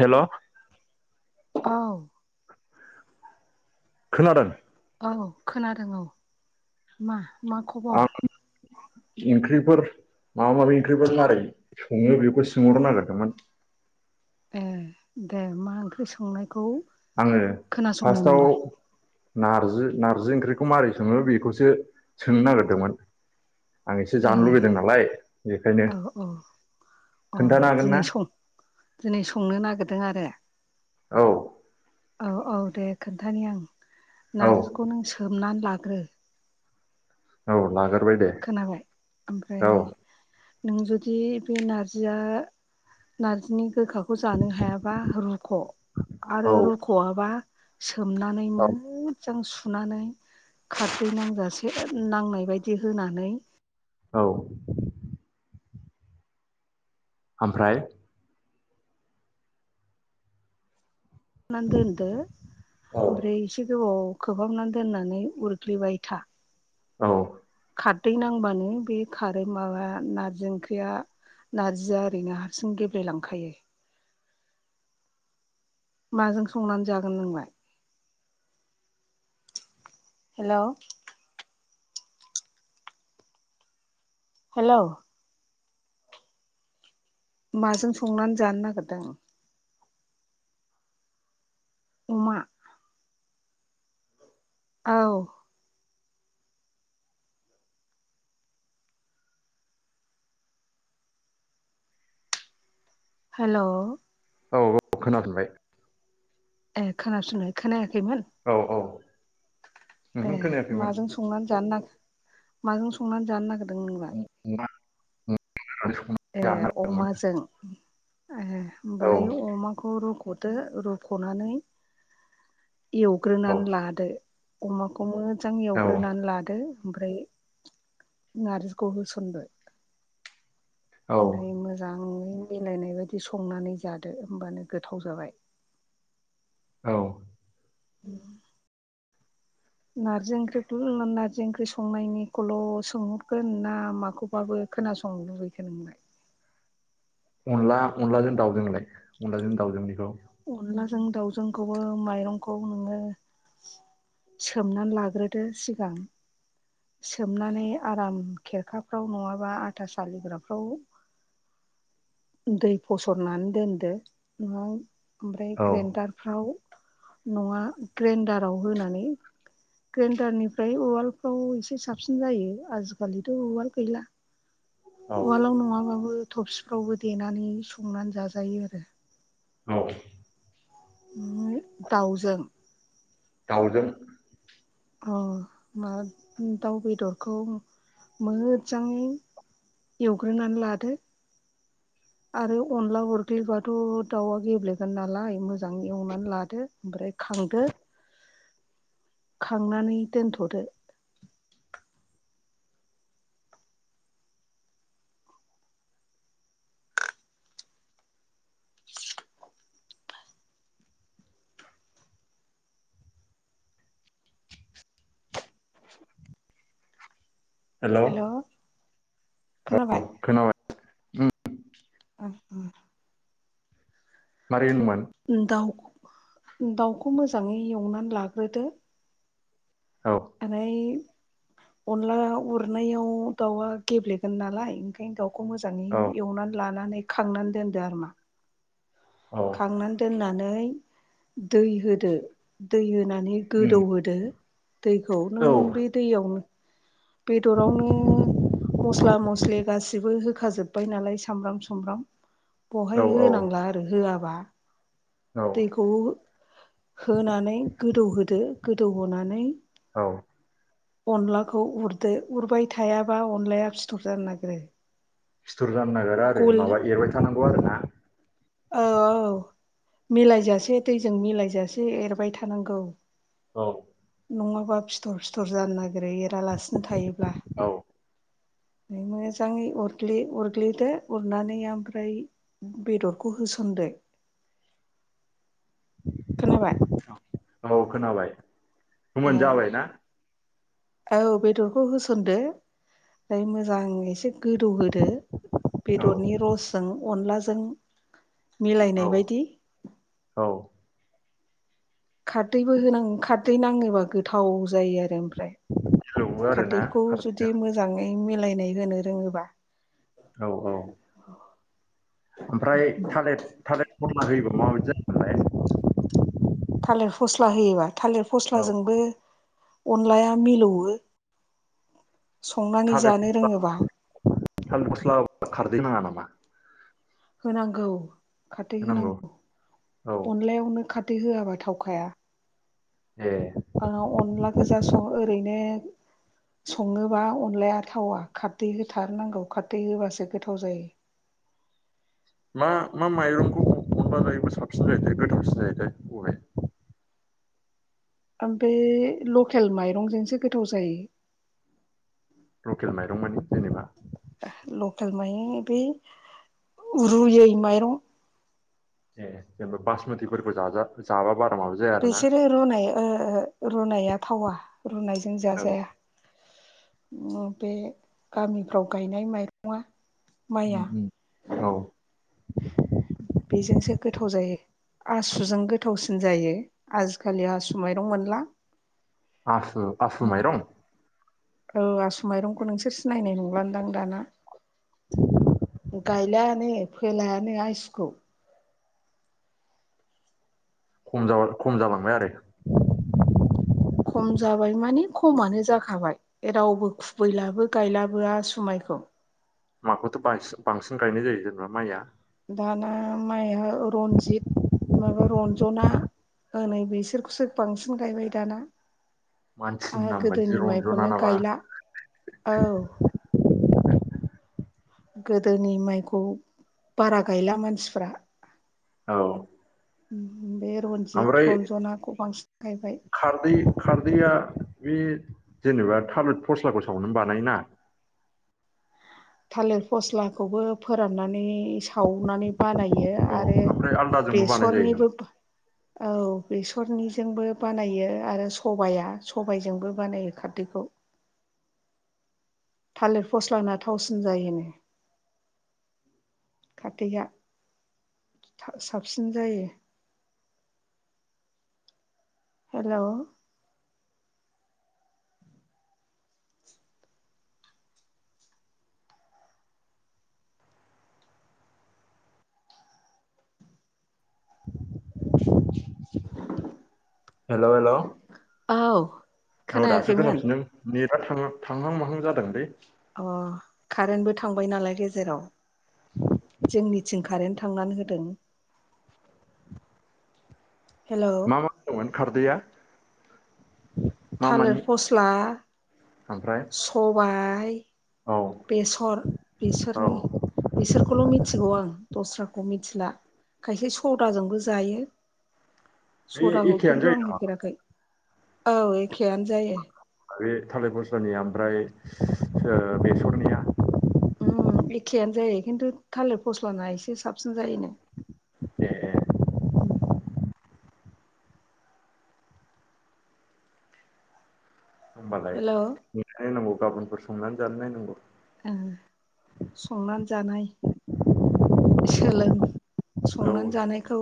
हेल' औ खोनादों? औ खोनादों औ मा मा खबर? एंख्रिफोर माबा माबि ओंख्रिफोर मारै सङो बेखौ सोंहरनो नागिरदोंमोन ए दे मा ओंख्रि संनायखौ आङो खोनासंनो फार्स्टआव नोंलाय नारजि नार्जि ओंख्रिखौ मारै सोङो बेखौसो सोंनो नागिरदोंमोन आं एसे ए जानो लुबैदों नालाय बेखायनो खोन्थानो हागोन ना अह। औ । औ औ दे खोन्थानि आं औ नारजिखौ नों सोमनानै लाग्रो औ लागोन । खोनाबाय ओमफ्राय नों जुदि बे नारजिया नारजिनि गोखाखौ जानो हायाबा रुख' आरो औ रुख'आबा सोमनानै औ मोजां सुनानै खारदै नांजासे नांनाय बायदि होनानै औ । ओमफ्राय दोनदो औ ओमफ्राय एसे गोबाव खोबहाबनानै दोननानै उरग्लिबाय था औ । खारदै नांबानो बे खारै माबा नारजि ओंख्रिया नारजिया ओरैनो हारसिं गेब्लेलांखायो । माजों संनानै जागोन नोंलाय? हेल' हेल' । माजों संनानै जानो नागिरदों? अमा? औ । हेल' औ औ खोनाफिनबाय । ए खोनासनो खोनायाखै औ औ । ए माजों संनानै जानो नाग माजों संनानै जानो नागिर [unintelligible] ए अमाजों ए होमबालाय औ अमाखौ रुग'द दो रुख'नानै एवग्रोनानै औ लादो अमाखौ मोज मोजां औ एवग्रोनानै लादो । ओमफ्राय नारजिखौ होसनदो औ ओमफ्राय मोजांङै मिलायनाय बायदि संनानै जादो होमबानो गोथाव जाबाय । औ । उम। नारजि ओंख्रिखौ नारजि ओंख्रि संनायनिखौल' सोंहरगोन ना माखौबाबो खोनासंनो लुबैखो नोंलाय? अनला अनलाजों दाउजोंलाय अनलाजों दाउजों बेखौ? अनलाजों दाउजोंखौबो माइरंखौ नोङो सोमनानै लाग्रोदो सिगां सोमनानै आराम खेरखाफ्राव नङाबा आथा सालिग्राफ्राव दै फसरनानै दोनदो ना ओमफ्राय औ ग्रेन्दारफ्राव नङा ग्रेन्डाराव होनानै ग्रेडारनिफ्राय उवालफ्राव साबसिन जायो आजिखालिथ' उवाल गैला औ उवालाव नङाबाबबो थब फावबो देनानै संनानै जाजायो आरो औ दाउजों दावजों अ मा दाउ बेदरखौ मोजाङै एवग्रोनानै लादो आरो अनला उरग्लिबाथ' दाउआ गेब्लेगोन नालाय मोजां एवनानै लादो ओमफ्राय खांदो [inaudible] खांनानै दोनथ'दो [unintelligible] हेल' खोनाबाय खोनाबाय उम अ अ मारै होनदोंमोन दाउ दाउखौ मोजाङै एवनानै लाग्रोदो औ ओमफ्राय अनदला उरनायाव दाउआ गेब्लेगोन नालाय ओंखायनो दाउ खौ मोजाङै औ एवनानै लानानै खांनानै दोनदो आरोमा औ खांनानै दोननानै दै होदो दै होदो होननानै उम गोदौहोदो दैखौ नों औ बे दैयावनो बेदरावनो मस्ला मस्लि गासिबो होखा जोबबाय नालाय सामब्राम सुमब्राम बहाय औ होनांला आरो होआ औ दैखौ होनानै गोदौहोदो गोदौ होनोनानै औ अनलाखौ उरदो उरबाय थायाबा अनलाया फिथर जानो नागिरो सिथुर जानो नागिरा आरो गल माबा एरबाय थानांगौ आरो ना औ मिलायजासे दैजों मिलायजासे एरबाय थानांगौ औ नङाबा फिथर फिथर जानो नागिरो एरालासिनो थायोब्ला औ मोजाङै अरग्लि अरग्लिदो उरनानै ओमफ्राय बेदरखौ हो सन्दो [inaudible] खोनाबाय औ खोनाबाय ए होमोन जाबायना औ बेदरखौ होसनदो फ्राय मोजां एसे गोदौहोदो औ बेदरनि रसजों अनलाजों औ मिलायनाय बायदि औ खारदैबो होनाङो खारदै नाङोबा गोथाव जायो आरो ओमफ्राय सोबो आरो ना खारदैखौ जुदि खारदैजों मोजांङै मिलाय नै होनो रोङोबा औ औ ओमफ्राय थालित थालित [unintelligible] होयोबा माबायदि जायोमोनलाय थालिर फस्ला होयोबा थालिर औ फस्लाजोंबो अनलाया मिलौओ संनानै थालिर जानो फस्ला रोङोबा थालिर फस्ला खारदै नाङा नामा होनांगौ खादै होनांगौ औ अनलायावनो खा दै होआबा थावखाया ए ओ अनला गोजा सं ओरैनो सङोबा अनलाया थावा खारदै होथारनांगौ खारदै होबासो गोथाव जायो। मा मा माइरंखौ? अनबा जायबो साबसिन जाहै दे गोथावसिन जायो थाइ बबे ओमफे लकेल माइरंजोंसो गोथाव जायो। लकेल माइरं माने जेनेबा लकेल माइ बे रुयै माइरं। ए जेनबा बासमतिफोरबो जाजा जाबा बारा माबा जाया आरोना बिसोरो रुनाय ओ रुनाया थावा रुनायजों औ जाजाया। उम बे गामिफ्राव गायनाय माइरंआ उम उम औ। बेजोंसो गोथाव जायो। आसुजों गोथावसिन जायो आजिखालि आसु माइरं मोनला। आसु आसु माइरं? ओ आसु माइरंखौ नोंसोर सिनायनाय नंलानो दां दाना। गायलायानो फोलायानो आइसुखौ। खम जाबा खम जालांबाय आरो। खम जाबाय माने खमानो जाखाबाय रावबो खुबैलाबो गायलाबो आसुमाइ खौ माखौथ' बांसि-बांसिन गायनाय जायो जेनेबा माइया? दाना माइआ रन्जित माबा रन्जना ओनै बिसोरखौसो बांसिन गायबाय दाना। मानसिनि आहा नाम बायदि गोदोनि रन्जना माइखौनो नामा गायला औ। गोदोनि माइखौ बारा गायला मानसिफ्रा औ। बे रन्जित ओमफ्राय रन्जनाखौ बांसिन गायबाय खारदै खारदैया बे जेनेबा थालिर फस्लाखौ सावनानै बानायो ना? थालिर फस्लाखौबो फोराननानै सावनानै बानायो औ आरो ओमफ्राय आलदाजोंबो बानाय जायो नामा? बेसरनिबो औ। बेसरनिजोंबो बानायो आरो सबाया सबायजोंबो बानायो खारदैखौ। [inaudible] थालिर फस्लाना थावसिन जायोनो। खारदैआ। थाब साबसिन जायो। हेलौ। हेलौ हेलौ औ औ दासो खोनायाखैमोन खोनाफिनदों नेट दा थां-थांहां माहां जादों दै अ कारेन्टबो थांबाय नालाय गेजेराव जोंनिथिंख कारेन्ट थांनानै होदों। हेलौ मा मा दंमोन खारदैया। मा थालिर मानि फस्ला। ओमफ्राय सबाय। औ बेसर औ बेसोरनि बिसोरखौल' मिथिगौ आं। दस्राखौ मिथिला खायसे सदाजोंबो जायो। बे सदाखौ एखेयानो खिन्थु जायो आं होफेराखै औ एखेआनो जायो। नामा बे थालिर फस्लाानिया ओमफ्राय ओ बेसरनिया उम एखेयानो जायो खिन्थु थालिर फस्लाना एसे साबसिन जायोनो। ए उम। हबालाय नेनानै नायनांगौ गाबोनफोर संनानै जानो नायनांगौ। ओ संनानै जानाय सोलों औ संनानै जानायखौ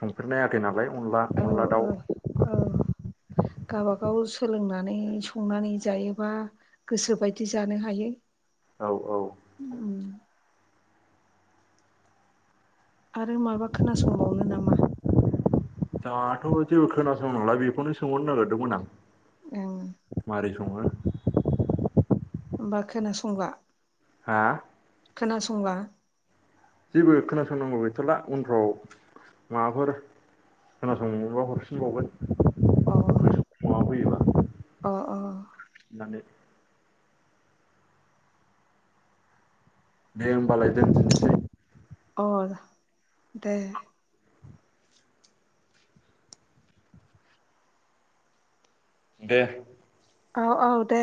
संफेरनायाखै नालाय। अनला औ अनला औ दाउ। औ गावबागाव सोलोंनानै संनानै जायोबा गोसोबायदि जानो हायो। औ औ। उम आरो माबा खोनासंबावनो नामा। दाथ' जेबो खोनासं नाला बेखौनो सोंहरनो नागिरदोंमोन आं ओं मारै--। संङो। होमबा खोनासंला। हा। खोनासंला। जेबो खोनासंनांगौ गैथला उनफ्राव माबाफोर। खोनासंनांगौबा हरफिनबावगोन। अ गोसोआव अ। अ दानो। दे होमबालाय दोनथनोसै। अ दे। दे। अ अ दे।